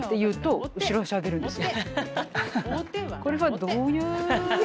これはどういう？